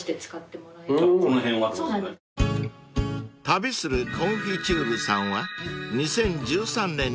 ［旅するコンフィチュールさんは２０１３年にオープン］